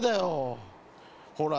ほら。